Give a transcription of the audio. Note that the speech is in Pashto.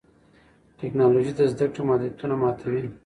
ټیکنالوژي د زده کړې محدودیتونه ماتوي.